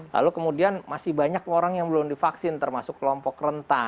lalu kemudian masih banyak orang yang belum divaksin termasuk kelompok rentan